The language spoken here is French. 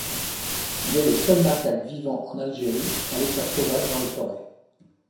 Il est le seul macaque vivant en Algérie à l'état sauvage dans les forêts.